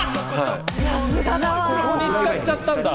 ここに使っちゃったんだ。